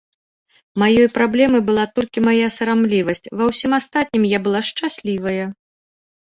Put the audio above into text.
Маёй праблемай была толькі мая сарамлівасць, ва ўсім астатнім я была шчаслівая.